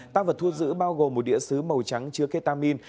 ta vừa thu giữ bao gồm một địa sứ màu trắng chứa ketamine